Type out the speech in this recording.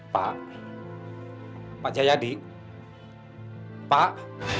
pak pak jayadi pak